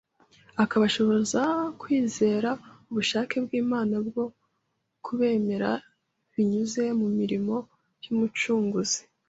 akabashoboza kwizera ubushake bw’Imana bwo kubemera binyuze mu mirimo y’Umucunguzi